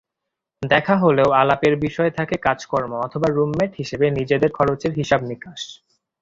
দেখা হলেও আলাপের বিষয় থাকে কাজকর্ম অথবা রুমমেট হিসেবে নিজেদের খরচের হিসাব-নিকাশ।